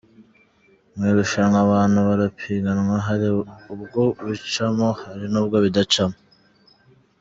Mu irushanwa abantu barapiganwa, hari ubwo bicamo hari n’ubwo bidacamo.